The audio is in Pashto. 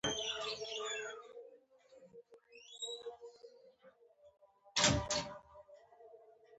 احمد ټولې بدې خاطرې تېر په تېره کړلې.